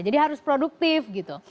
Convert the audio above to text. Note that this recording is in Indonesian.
jadi harus produktif